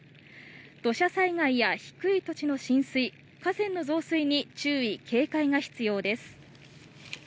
土砂災害や低い土地の浸水河川の増水に注意・警戒が必要です。